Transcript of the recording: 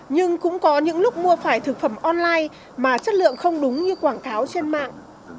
nhưng cũng có những lúc mua phải thực phẩm online mà chất lượng không đúng như quảng cáo trên mạng